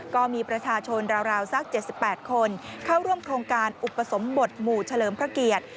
ก็มีประชาชนราวสัก๗๘คนเข้าร่วมโครงการอุปสมบทหมู่เฉลิมพระเกียรติ